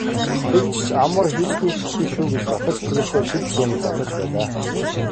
"Тэгж ч амар хийцлүүлэхгүй шүү" дотор сэтгэлдээ шүд зуун занаж байлаа.